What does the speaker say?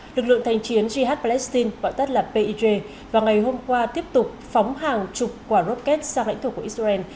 lực lượng thành chiến jihad palestine gọi tắt là pij và ngày hôm qua tiếp tục phóng hàng chục quả rocket sang lãnh thổ của israel